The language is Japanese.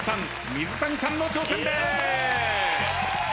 水谷さんの挑戦です。